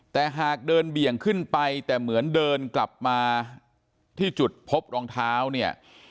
แต่หากเดินเบี่ยงขึ้นไปแต่เหมือนเดินกลับมาที่จุดพบรองเท้าเนี่ย